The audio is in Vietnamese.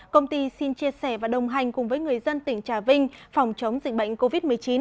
công ty xin chia sẻ và đồng hành cùng với người dân tỉnh trà vinh phòng chống dịch bệnh covid một mươi chín